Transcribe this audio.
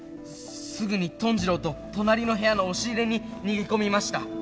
すぐにトン二郎と隣の部屋の押し入れに逃げ込みました。